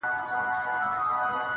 هغه مي سايلينټ سوي زړه ته.